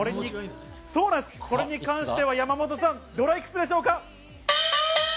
これに関しては山本さん、ドラいくつでしょうか？